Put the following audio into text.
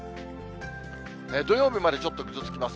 土曜日までちょっとぐずつきます。